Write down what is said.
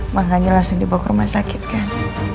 makanya langsung dibawa ke rumah sakit kan